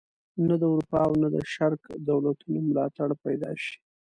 نه د اروپا او نه د شرق دولتونو ملاتړ پیدا شي.